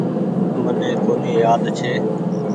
مني ڪونيٚ يآد ڇي۔